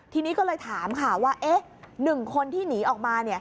ทีนี้ก็เลยถามหนึ่งคนกันที่หนีออกมา